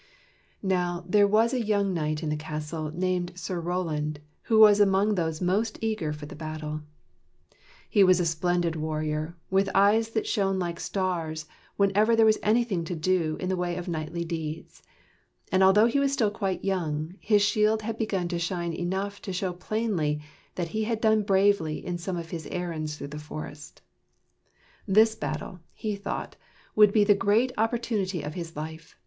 Now there was a young knight in the castle, named Sir Roland, who was among those most eager for the 3 THE KNIGHTS OF THE SILVER SHIELD battle. He was a splendid warrior, with eyes that shone like stars whenever there was anything to do in the way of knightly deeds. And although he was still quite young, his shield had begun to shine enough to show plainly that he had done bravely in some of his errands through the forest. This battle, he thought, would be the great opportunity of his life.